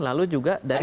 lalu juga dari